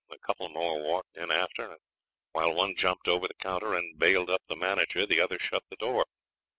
A couple more walked in after, and while one jumped over the counter and bailed up the manager the other shut the door.